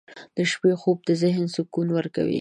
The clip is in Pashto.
• د شپې خوب د ذهن سکون ورکوي.